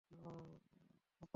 আপনি বেঁচে আছেন?